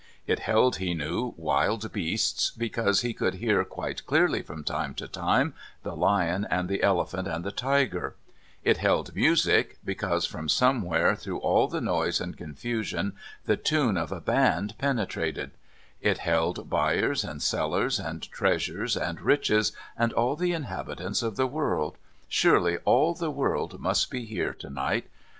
It held, he knew, wild beasts, because he could hear quite clearly from time to time the lion and the elephant and the tiger; it held music, because from somewhere through all the noise and confusion the tune of a band penetrated; it held buyers and sellers and treasures and riches, and all the inhabitants of the world surely all the world must be here to night.